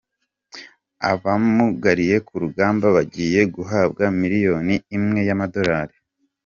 Abamugariye ku rugamba bagiye guhabwa miliyoni imwe y’amadorari